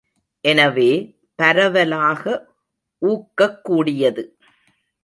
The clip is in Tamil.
எனவே, பரவலாக ஊக்கக்கூடியது.